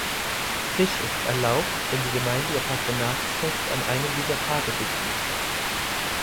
Fisch ist erlaubt, wenn die Gemeinde ihr Patronatsfest an einem dieser Tage begeht.